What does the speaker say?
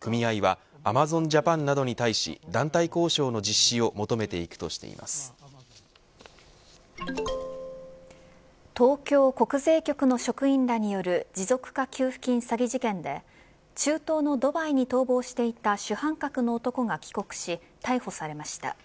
組合はアマゾンジャパンなどに対し団体交渉の実施を東京国税局の職員らによる持続化給付金詐欺事件で中東のドバイに逃亡していた主犯格の男が帰国し逮捕されました。